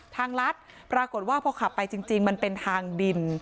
ลัดปรากฏว่าพอขับไปจริงมันเป็นทางดิน